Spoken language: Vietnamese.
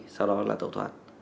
sau đó là tẩu thoát